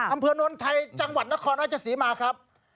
อำเภอโน้นไทยจังหวัดนครราชศรีมาครับ